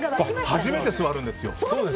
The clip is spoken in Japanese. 初めて座るんですよ。